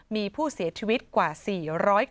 มีผู้เสียชีวิตกว่า๔๐๐คน